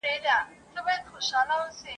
په اولاد به یې د ښکار ګټي خوړلې !.